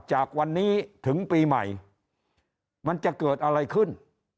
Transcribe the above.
จากวันนี้ถึงปีใหม่มันจะเกิดอะไรขึ้น